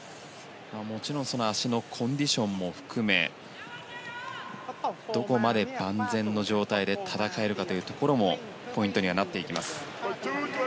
もちろん足のコンディションも含めどこまで万全の状態で戦えるかというところもポイントにはなっていきます。